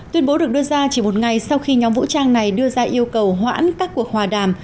tuyên bố được đưa ra chỉ một ngày sau khi nhóm vũ trang này đưa ra yêu cầu hoãn các cuộc hòa đàm